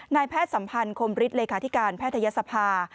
นายแพทย์สัมพันธ์คมฤทธิเลขาธิการแพทยศภา